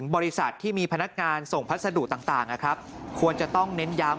บริษัทที่มีพนักงานส่งพัสดุต่างควรจะต้องเน้นย้ำ